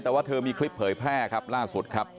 แต่ว่าเธอมีคลิปเผยแพร่ครับล่าสุดครับ